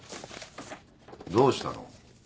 どうしたの？